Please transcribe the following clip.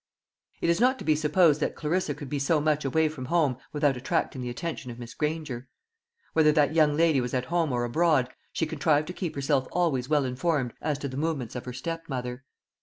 It is not to be supposed that Clarissa could be so much away from home without attracting the attention of Miss Granger. Whether that young lady was at home or abroad, she contrived to keep herself always well informed as to the movements of her stepmother.